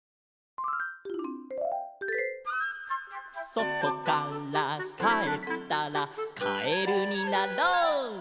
「そとからかえったらカエルになろう」